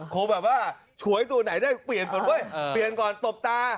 คงแบบว่าฉวยตัวไหนได้เปลี่ยนก่อนเว้ยเปลี่ยนก่อนตบตา